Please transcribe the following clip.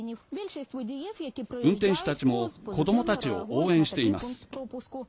運転手たちも子どもたちを応援しています。